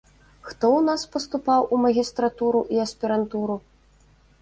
Хто ў нас паступаў у магістратуру і аспірантуру?